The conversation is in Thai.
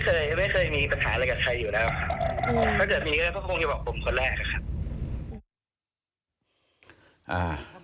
เคยไม่เคยมีปัญหาอะไรกับใครอยู่แล้วครับถ้าเกิดมีเรื่องก็คงจะบอกผมคนแรกอะครับ